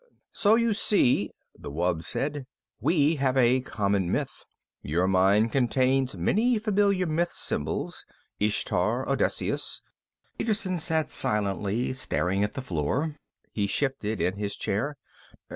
"So you see," the wub said, "we have a common myth. Your mind contains many familiar myth symbols. Ishtar, Odysseus " Peterson sat silently, staring at the floor. He shifted in his chair.